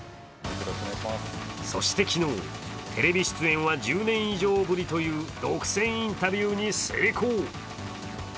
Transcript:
そして昨日、テレビ出演は１０年以上ぶりという独占インタビューに成功。